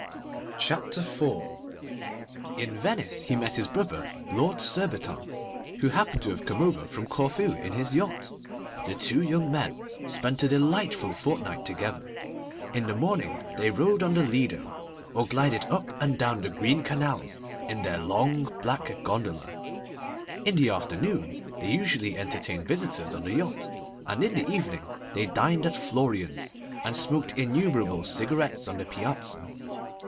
CHAPTER IV IN Venice he met his brother, Lord Surbiton, who happened to have come over from Corfu in his yacht. The two young men spent a delightful fortnight together. In the morning they rode on the Lido, or glided up and down the green canals in their long black gondola; in the afternoon they usually entertained visitors on the yacht; and in the evening they dined at Florian's, and smoked innumerable cigarettes on the Piazza.